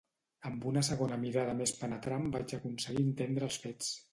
Amb una segona mirada més penetrant vaig aconseguir entendre els fets.